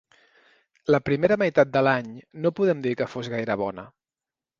La primera meitat de l’any no podem dir que fos gaire bona.